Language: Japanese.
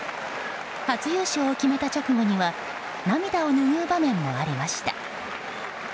初優勝を決めた直後には涙を拭う場面もありました。